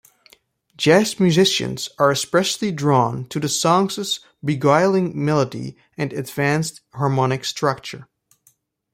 Jazz musicians are especially drawn to the song's beguiling melody and advanced harmonic structure.